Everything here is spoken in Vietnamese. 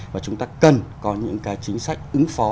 và chúng ta cần có những cái chính sách ứng phó